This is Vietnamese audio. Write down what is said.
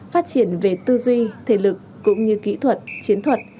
phát triển về tư duy thể lực cũng như kỹ thuật chiến thuật